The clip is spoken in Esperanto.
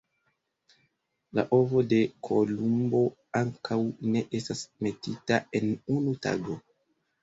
La ovo de Kolumbo ankaŭ ne estas metita en unu tago!